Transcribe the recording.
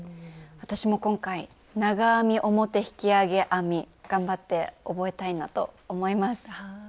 私も今回長編み表引き上げ編み頑張って覚えたいなと思います。